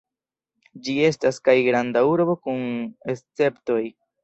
Ĝi estas kaj Granda Urbo kun Esceptoj.